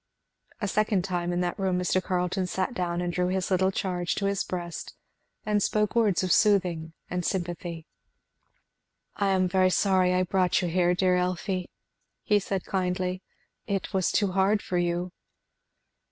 A second time in that room Mr. Carleton sat down and drew his little charge to his breast and spoke words of soothing and sympathy. "I am very sorry I brought you here, dear Elfie," he said kindly. "It was too hard for you."